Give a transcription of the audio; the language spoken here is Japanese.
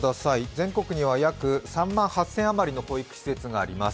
全国には約３万８０００の施設があります。